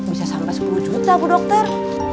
bisa sampai sepuluh juta bu dokter